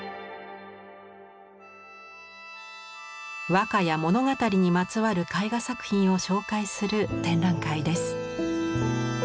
和歌や物語にまつわる絵画作品を紹介する展覧会です。